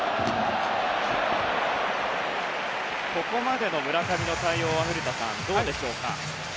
ここまでの村上の対応は古田さん、どうですか？